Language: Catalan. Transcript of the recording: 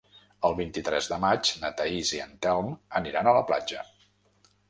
El vint-i-tres de maig na Thaís i en Telm aniran a la platja.